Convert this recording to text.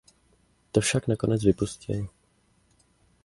To však nakonec vypustil.